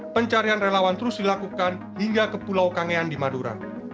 pencarian relawan terus dilakukan hingga ke pulau kangean di madura